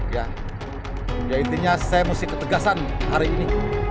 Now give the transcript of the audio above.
ya intinya saya mesti ketegasan hari ini